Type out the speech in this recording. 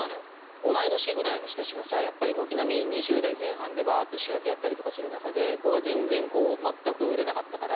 同い年ぐらいの人たちがさやっぱり軒並み２０代前半でばーって主役やったりとかする中で僕は全然まったく売れなかったから。